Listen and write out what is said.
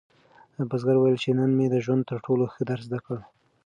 بزګر وویل چې نن مې د ژوند تر ټولو ښه درس زده کړ.